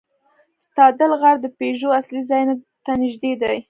ستادل غار د پيژو اصلي ځای ته نږدې دی.